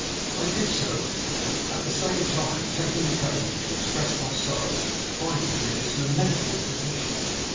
I did so, at the same time taking occasion to express my sorrow at finding him in this lamentable condition.